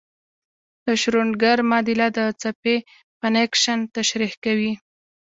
د شروډنګر معادله د څپې فنکشن تشریح کوي.